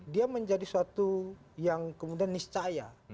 dia menjadi suatu yang kemudian niscaya